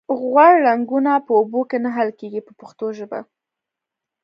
غوړ رنګونه په اوبو کې نه حل کیږي په پښتو ژبه.